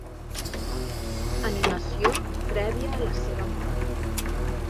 Animació prèvia a la seva mort.